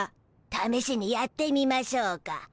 ためしにやってみましょうか。